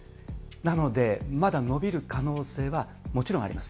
なので、まだ伸びる可能性はもちろんあります。